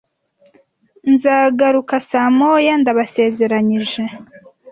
Nzagaruka saa moya, ndabasezeranyije.